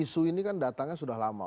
isu ini kan datangnya sudah lama